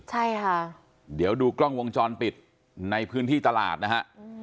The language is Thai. ใช่ค่ะเดี๋ยวดูกล้องวงจรปิดในพื้นที่ตลาดนะฮะ